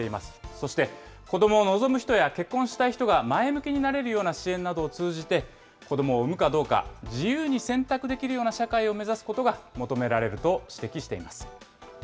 そして子どもを望む人や結婚したい人が前向きになれるような支援などを通じて、子どもを産むかどうか、自由に選択できるような社会を目指すことが求められると指摘しています。